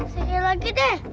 sikit lagi deh